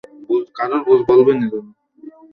রাজকন্যা, তুমি যাও।